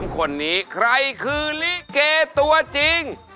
คนนี้ใครคือลิเกตัวจริง